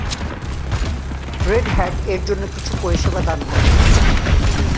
Red Hat এর জন্য কিছু পরিষেবা দান করে।